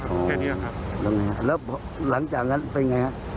แค่นี้แหละครับแล้วหลังจากนั้นเป็นยังไงครับ